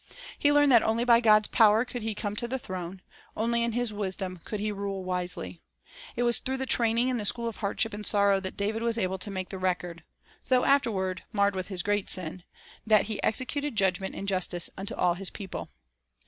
He learned that only by God's power could he come to the throne; only in His wisdom could he rule wisely. It was through the training in the school of hardship and sorrow that David was able to make the record — though afterward marred with his great sin — that he "executed judgment and justice unto all his people."